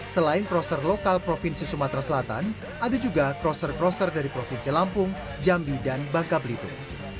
selain crosser lokal provinsi sumatera selatan ada juga crosser crosser dari provinsi lampung jambi dan bangka belitung